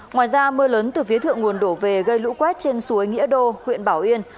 ngoài ra mưa lớn từ phía thượng nguồn đổ về gây lũ quét trên suối nghĩa đô huyện bảo yên